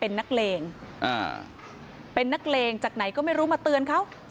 เป็นนักเลงอ่าเป็นนักเลงจากไหนก็ไม่รู้มาเตือนเขา